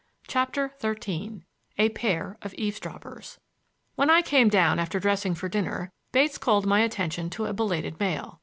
CHAPTER XIII A PAIR OF EAVESDROPPERS When I came down after dressing for dinner, Bates called my attention to a belated mail.